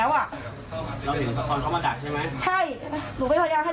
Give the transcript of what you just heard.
เข้าบนบนหลายวันแล้วพี่